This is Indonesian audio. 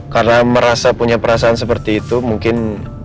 karena merasa punya perasaan seperti itu mungkin